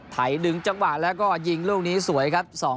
ดึงจังหวะแล้วก็ยิงลูกนี้สวยครับ